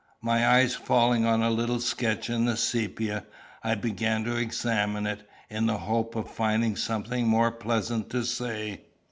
My eyes falling on a little sketch in sepia, I began to examine it, in the hope of finding something more pleasant to say.